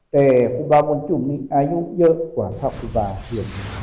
แต่ภูบาวนจุ่มนี้อายุเยอะกว่าพระภูบาเทียม